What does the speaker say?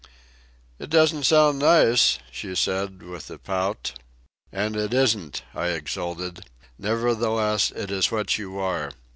"It doesn't sound nice," she said with a moue. "And it isn't," I exulted. "Nevertheless, it is what you are.